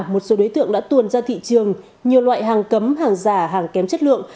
một số đối tượng đã tuồn ra thị trường nhiều loại hàng cấm hàng giả hàng kém chất lượng